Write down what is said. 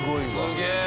すげえ！